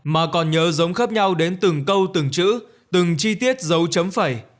mà còn nhớ giống khớp nhau đến từng câu từng chữ từng chi tiết dấu chấm phẩy